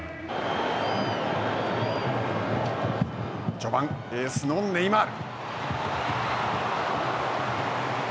序盤、エースのネイマール。